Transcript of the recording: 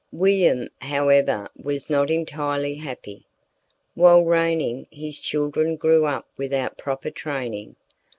William, however, was not entirely happy. While reigning, his children grew up without proper training.